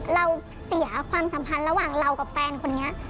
เราเสียความสัมพันธ์ระหว่างเรากับแฟนคนนี้